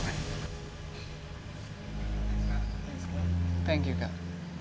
thank you kak